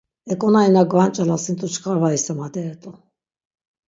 Eǩonari na gvanç̌elasint̆u çkar var isimaderet̆u.